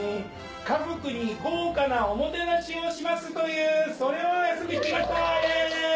家族に豪華なおもてなしをしますというそれを約束して来ましたイェイ！